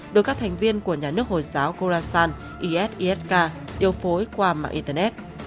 được các thành viên của nhà nước hồi giáo khorasan is isk điều phối qua mạng internet